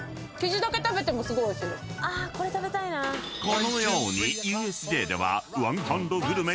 ［このようにＵＳＪでは］